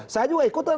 saya juga ikutin